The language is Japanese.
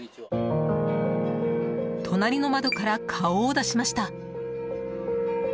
隣の窓から顔を出しました。